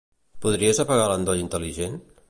Podries apagar l'endoll intel·ligent?